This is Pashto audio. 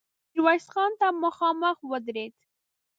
ميرويس خان ته مخامخ ودرېد.